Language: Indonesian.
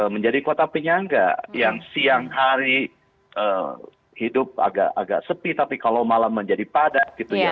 menjadi kota penyangga yang siang hari hidup agak sepi tapi kalau malam menjadi padat gitu ya